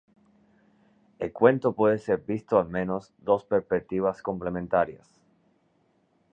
El cuento puede ser visto al menos dos perspectivas complementarias.